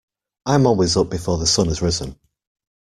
I'm always up before the sun has risen.